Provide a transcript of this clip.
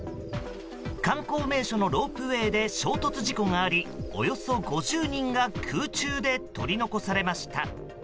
観光名所のロープウェーで衝突事故がありおよそ５０人が空中で取り残されました。